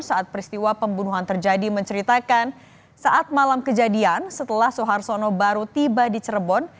saat peristiwa pembunuhan terjadi menceritakan saat malam kejadian setelah soeharsono baru tiba di cirebon